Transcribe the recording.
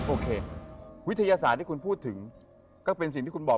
โอเควิทยาศาสตร์ที่คุณพูดถึงก็เป็นสิ่งที่คุณบอก